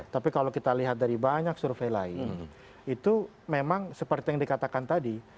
tapi kalau kita lihat dari banyak survei lain itu memang seperti yang dikatakan tadi